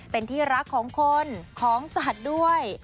เป็นที่รักของคนของสัตว์ด้วย